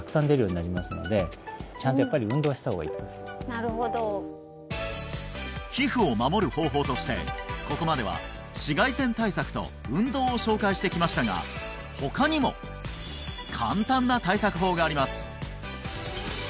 なるほど皮膚を守る方法としてここまでは紫外線対策と運動を紹介してきましたが他にも簡単な対策法があります